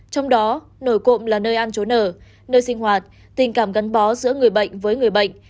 trong đó nổi cộng là nơi ăn trốn ở nơi sinh hoạt tình cảm gắn bó giữa người bệnh với người bệnh